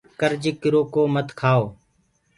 ڪرج ڪرو ڪو مت کآئو